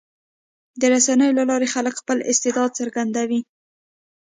د رسنیو له لارې خلک خپل استعداد څرګندوي.